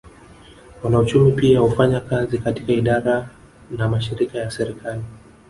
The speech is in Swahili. Wanauchumi pia hufanya kazi katika idara na mashirika ya serikali